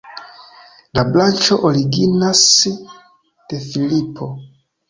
La branĉo originas de Filipo.